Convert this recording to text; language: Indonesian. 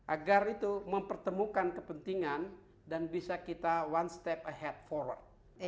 agar itu mempertemukan kepentingan dan bisa kita one step ahead forward